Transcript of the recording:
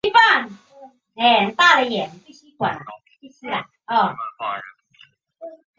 文教大学女子短期大学部是过去一所位于日本神奈川县茅崎市的私立短期大学。